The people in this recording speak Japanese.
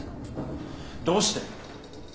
どうして？